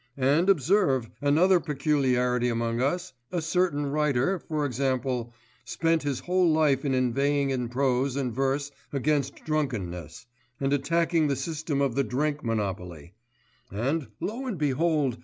And observe, another peculiarity among us; a certain writer, for example, spent his whole life in inveighing in prose and verse against drunkenness, and attacking the system of the drink monopoly, and lo and behold!